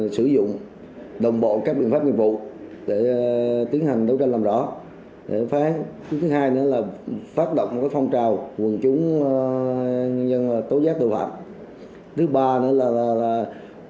công an huyện trân thành đã tập trung lực phối hợp với công an huyện trân thành đã tập trung lực phối hợp với công an huyện trân thành đã tập trung lực phối hợp với công an huyện trân thành đã tập trung lực